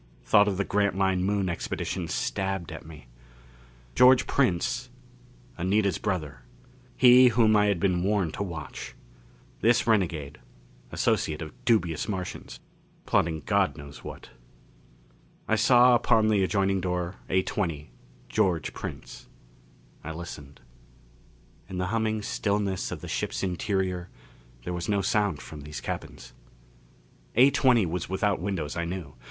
Thought of the Grantline Moon Expedition stabbed at me. George Prince Anita's brother he whom I had been warned to watch. This renegade associate of dubious Martians, plotting God knows what. I saw, upon the adjoining door, A20, George Prince. I listened. In the humming stillness of the ship's interior there was no sound from these cabins. A20 was without windows, I knew.